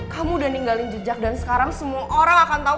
kamu udah ninggalin jejak dan sekarang semua orang akan tahu